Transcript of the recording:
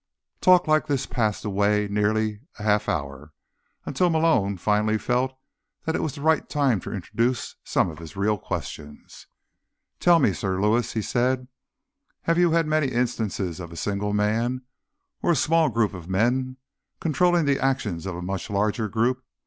Talk like this passed away nearly a half hour, until Malone finally felt that it was the right time to introduce some of his real questions. "Tell me, Sir Lewis," he said. "Have you had many instances of a single man, or a small group of men, controlling the actions of a much larger group?